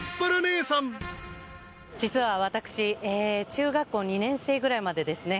実は私中学校２年生ぐらいまでですね